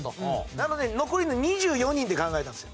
なので残りの２４人で考えたんですよ。